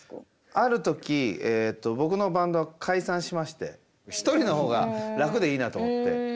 ある時僕のバンドが解散しまして一人の方が楽でいいなと思って。